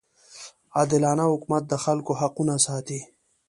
عادلانه حکومت د خلکو حقونه ساتي.